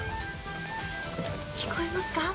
聞こえますか？